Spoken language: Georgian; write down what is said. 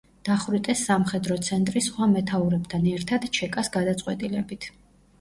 დახვრიტეს „სამხედრო ცენტრის“ სხვა მეთაურებთან ერთად ჩეკას გადაწყვეტილებით.